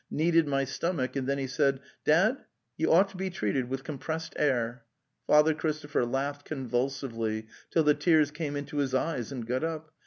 . kneaded my stomach, and then he said, ' Dad, you ought to be treated with compressed air.'"" Father Christopher laughed convulsively, till the tears came into his eyes, and got up.